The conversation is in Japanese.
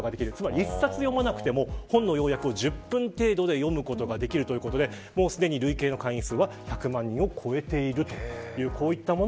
１冊読まなくても本の要約を１０分程度で読めるということですでに累計会員数は１００万人を超えているというこういったもの。